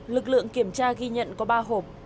lực lượng kiểm tra ghi nhận có ba hộp